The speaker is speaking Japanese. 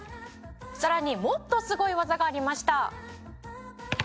「さらにもっとすごい技がありました」